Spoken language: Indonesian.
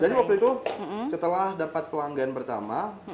jadi waktu itu setelah dapat pelanggan pertama